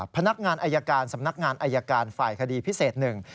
พนักงานอายการสำนักงานอายการฝ่ายคดีพิเศษหนึ่ง